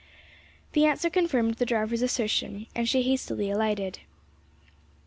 The answer confirmed the driver's assertion, and she hastily alighted.